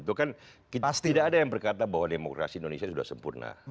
tidak ada yang berkata bahwa demokrasi indonesia sudah sempurna